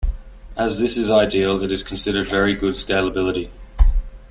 As this is ideal, it is considered very good scalability.